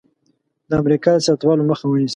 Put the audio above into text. د امریکا د سیاستوالو مخه ونیسي.